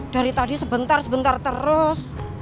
dari tadi sebentar sebentar terus